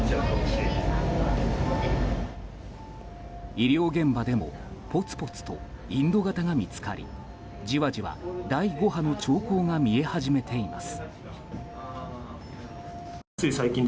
医療現場でもぽつぽつとインド型が見つかりじわじわ第５波の兆候が見え始めています。